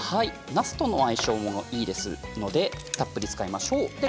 なすとの相性もいいのでたっぷり使いましょう。